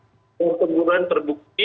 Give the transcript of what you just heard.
dan penyelidikan terbukti